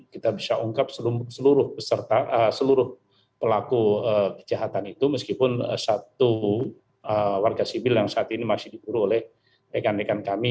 kita bisa ungkap seluruh pelaku kejahatan itu meskipun satu warga sipil yang saat ini masih diburu oleh rekan rekan kami